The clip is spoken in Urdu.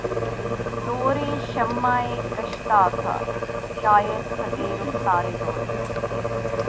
دودِ شمعِ کشتہ تھا شاید خطِ رخسارِ دوست